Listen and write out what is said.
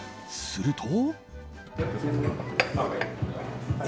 すると。